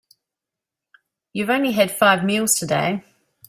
You've only had five meals today.